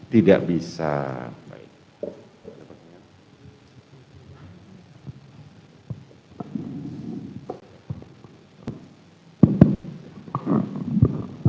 tidak bisa baik